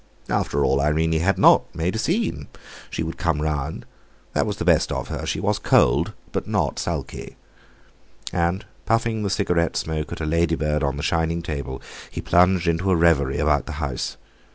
After all, Irene had not made a scene! She would come round—that was the best of her; she was cold, but not sulky. And, puffing the cigarette smoke at a lady bird on the shining table, he plunged into a reverie about the house.